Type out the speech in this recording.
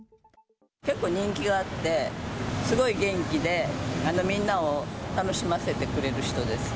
結構、人気があって、すごい元気で、みんなを楽しませてくれる人です。